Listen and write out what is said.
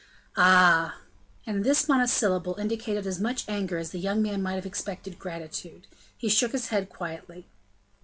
"Ah!" And this monosyllable indicated as much anger as the young man might have expected gratitude. He shook his head quietly.